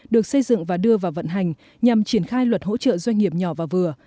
được xây dựng và đưa vào vận hành nhằm triển khai luật hỗ trợ doanh nghiệp nhỏ và vừa